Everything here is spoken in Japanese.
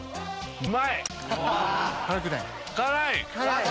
うまい！